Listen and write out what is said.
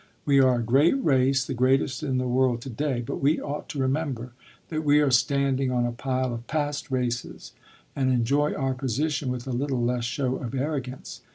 We are a great race, the greatest in the world today, but we ought to remember that we are standing on a pile of past races, and enjoy our position with a little less show of arrogance.